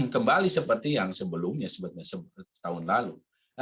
kembali seperti yang sebelumnya seperti tahun lalu